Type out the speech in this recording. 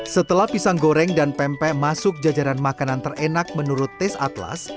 setelah pisang goreng dan pempek masuk jajaran makanan terenak menurut tes atlas